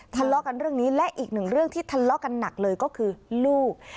ทะเลาะกันเรื่องนี้และอีกหนึ่งเรื่องที่ทะเลาะกันหนักเลยก็คือลูก